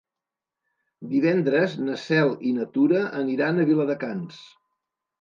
Divendres na Cel i na Tura aniran a Viladecans.